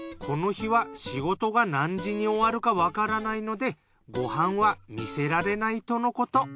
この日は仕事が何時に終わるかわからないのでご飯は見せられないとのこと。